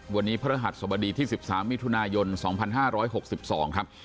วันนี้พระรหัสสบดีที่๑๓มิถุนายน๒๕๖๒ครับ